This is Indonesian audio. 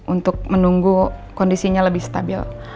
untuk menunggu kondisinya lebih stabil